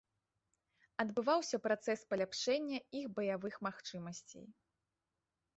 Адбываўся працэс паляпшэння іх баявых магчымасцей.